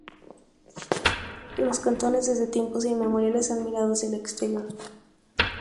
Los cantoneses desde tiempos inmemoriales han mirado hacia el exterior.